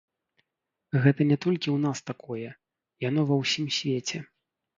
Гэта не толькі ў нас такое, яно ва ўсім свеце.